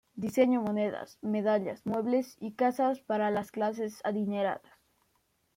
Diseñó monedas, medallas, muebles y casas para las clases adineradas.